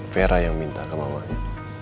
vera yang minta ke mamanya